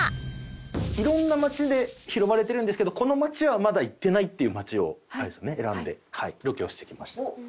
いろんな街で拾われてるんですけどこの街はまだ行ってないっていう街を選んでロケをしてきました。